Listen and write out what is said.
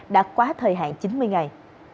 đã qua thời hạn chín mươi ngày